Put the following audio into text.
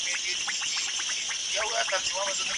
زه له خپل ملګري سره وینم.